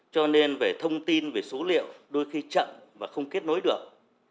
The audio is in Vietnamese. cho nên về thông tin về số liệu đôi khi chậm và không kết nối được